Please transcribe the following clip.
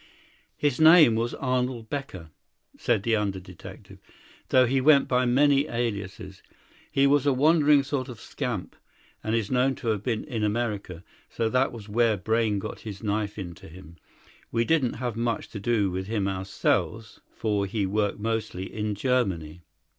"His name was Arnold Becker," said the under detective, "though he went by many aliases. He was a wandering sort of scamp, and is known to have been in America; so that was where Brayne got his knife into him. We didn't have much to do with him ourselves, for he worked mostly in Germany.